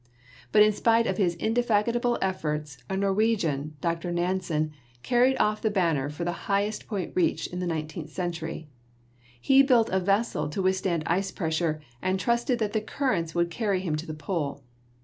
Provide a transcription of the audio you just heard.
But in spite of his indefatigable efforts, a Norwegian, Dr. Nansen, carried off the banner for the highest point reached in the nineteenth century. He built a vessel to withstand ice pressure and trusted that the currents would carry him to the Pole.